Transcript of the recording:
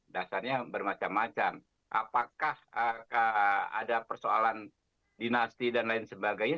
dasarnya bermacam macam apakah ada persoalan dinasti dan lain sebagainya